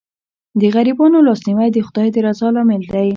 د غریبانو لاسنیوی د خدای د رضا لامل دی.